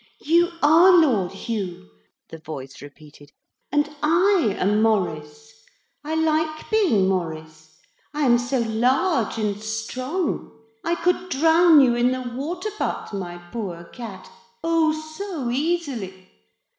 'You are Lord Hugh,' the voice repeated, 'and I am Maurice. I like being Maurice. I am so large and strong. I could drown you in the water butt, my poor cat oh, so easily.